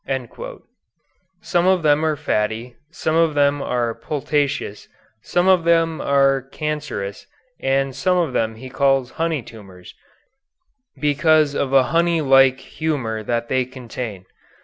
Some of them are fatty, some of them are pultaceous, some of them are cancerous, and some of them he calls honey tumors, because of a honey like humor they contain.